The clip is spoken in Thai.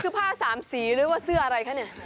คือผ้าสามสีหรือว่าเสื้ออะไรคะเนี่ย